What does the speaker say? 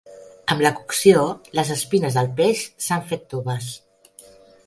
Amb la cocció les espines del peix s'han fet toves.